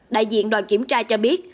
đại diện đoàn kiểm tra cho biết